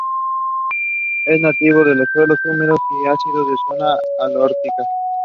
Es nativo de los suelos húmedos y ácidos de la zona holártica.